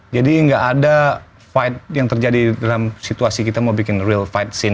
jadi gak ada fight yang terjadi dalam situasi kita mau bikin real fight scene